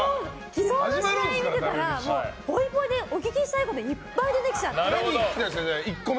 昨日の見てからぽいぽいトークでお聞きしたいこといっぱい出てきちゃって。